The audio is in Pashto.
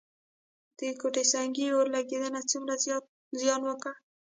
د کوټه سنګي اورلګیدنې څومره زیان وکړ؟